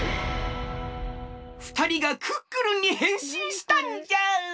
ふたりがクックルンにへんしんしたんじゃ！